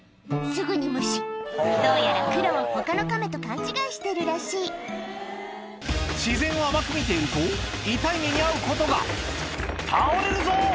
すぐに無視どうやら黒を他の亀と勘違いしてるらしい自然を甘く見ていると痛い目に遭うことが倒れるぞ！